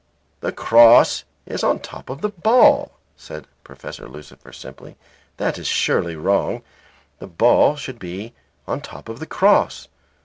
"The cross is on top of the ball," said Professor Lucifer, simply. "That is surely wrong. The ball should be on top of the cross.